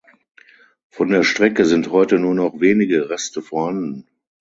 Von der Strecke sind heute nur noch wenige Reste vorhanden.